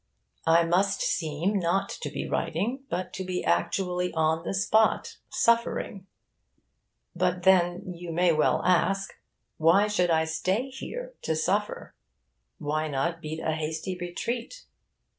I must seem not to be writing, but to be actually on the spot, suffering. But then, you may well ask, why should I stay here, to suffer? why not beat a hasty retreat?